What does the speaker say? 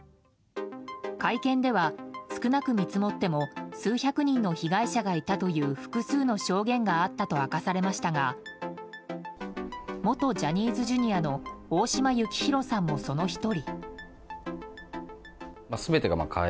会見では少なく見積もっても数百人の被害者がいたという複数の証言があったと明かされましたが元ジャニーズＪｒ．の大島幸広さんも、その１人。